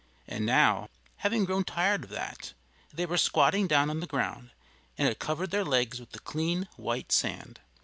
And now, having grown tired of that, they were squatting down on the ground and had covered their legs with the clean white sand.